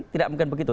tidak mungkin begitu